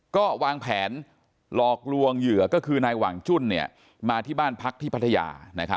ก็วางแผนหลอกลวงเหยื่อก็คือนายหว่างจุ้นมาที่บ้านพักที่พัทยา